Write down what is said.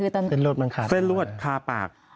ตั้งแต่เส้นรวดคาปาก